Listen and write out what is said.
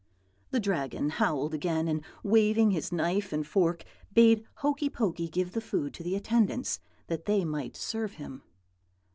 "The Dragon howled again, and waving his knife and fork, bade Hokey Pokey give the food to the attendants, that they might serve him.